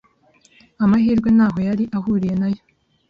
Amahirwe ntaho yari ahuriye nayo.